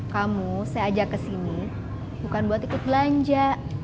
kamu saya ajak ke sini bukan buat ikut belanja